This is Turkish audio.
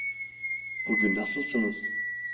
Bugün nasılsınız?